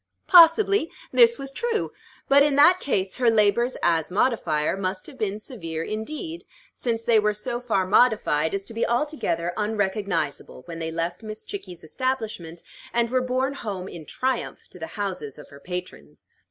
Possibly this was true; but in that case her labors as modifier must have been severe indeed, since they were so far modified as to be altogether unrecognizable when they left Miss Chickie's establishment, and were borne home in triumph to the houses of her patrons.